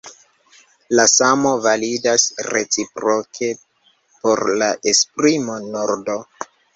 La samo validas reciproke por la esprimo Nordo.